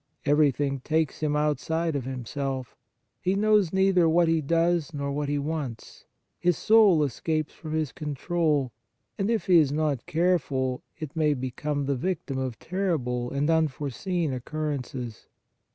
Every thing takes him outside of himself; he knows neither what he does nor what he wants ; his soul escapes from his control, and, if he is not careful, 136 Spiritual Retreats it may become the victim of terrible and unforeseen occurrences.